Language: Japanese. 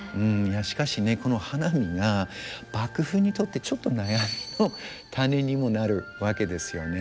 しかしねこの花見が幕府にとってちょっと悩みの種にもなるわけですよね。